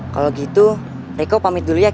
kalau gitu reko pamit dulu ya